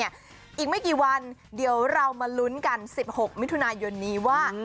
อีกไม่กี่วันเดี๋ยวเรามาลุ้นกัน๑๖มิถุนายนนี้ว่า